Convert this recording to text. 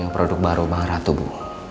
produk baru bang ratu bu